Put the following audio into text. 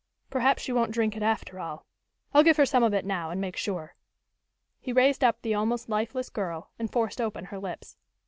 "Perhaps she won't drink it after all. I'll give her some of it now, and make sure." He raised up the almost lifeless girl, and forced open her lips.